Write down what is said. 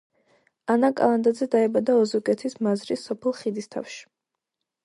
ანა კალანდაძე დაიბადა ოზურგეთის მაზრის სოფელ ხიდისთავში.